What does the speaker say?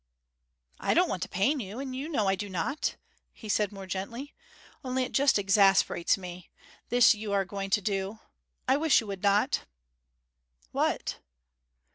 'I don't want to pain you you know I do not,' he said more gently. 'Only it just exasperates me this you are going to do. I wish you would not.' 'What?'